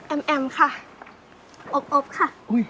แอ๊มแอ๊มค่ะโอ๊ปค่ะ